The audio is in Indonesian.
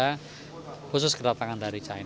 khusus kedatangan dari china